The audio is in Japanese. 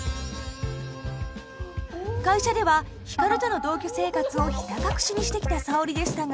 会社では光との同居生活をひた隠しにしてきた沙織でしたが。